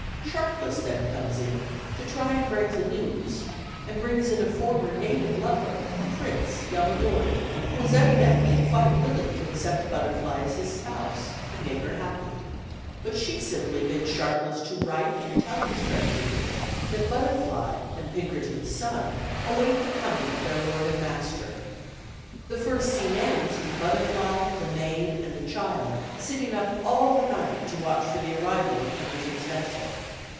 Sharpless then comes in to try and break the news, and brings in a former native lover, a Prince, Yamadori, who is evidently quite willing to accept Butterfly as his spouse and make her happy. But she simply bids Sharpless to write and tell his friend Pinkerton that Butterfly and Pinkerton's son await the coming of their lord and master. The first scene ends with Butterfly, the maid, and the child sitting up all the night to watch for the arrival of Pinkerton's vessel.